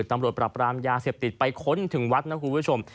ตำรวจปรับรามยาเสพติดไปค้นถึงวัดนะคุณผู้ชม